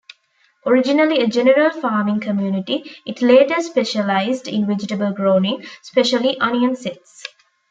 Originally a general farming community, it later specialized in vegetable growing, especially onion sets.